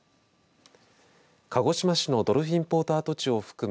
鹿児島市のドルフィンポート跡地を含む